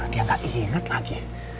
dia gak inget lagi